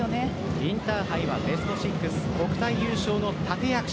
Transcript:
インターハイはベスト６国体優勝の立て役者